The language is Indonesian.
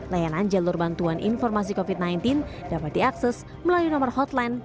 layanan jalur bantuan informasi covid sembilan belas dapat diakses melalui nomor hotline